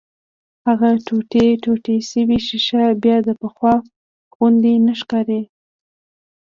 هغه ټوټې شوې ښيښه بيا د پخوا غوندې نه ښکاري.